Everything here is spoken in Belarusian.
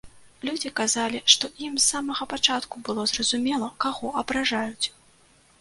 Людзі казалі, што ім з самага пачатку было зразумела, каго абражаюць.